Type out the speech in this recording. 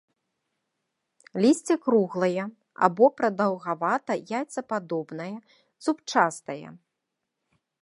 Лісце круглае або прадаўгавата-яйцападобнае, зубчастае.